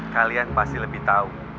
kalian pasti lebih tahu